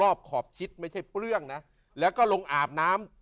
ขอบชิดไม่ใช่เปลื้องนะแล้วก็ลงอาบน้ำ